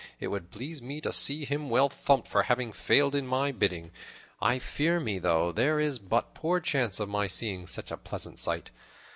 It would please me to see him well thumped for having failed in my bidding. I fear me, though, there is but poor chance of my seeing such a pleasant sight."